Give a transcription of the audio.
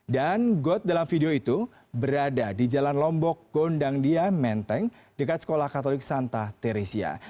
dan got dalam video itu berada di jalan lombok gondang dia menteng dekat sekolah katolik santa teresia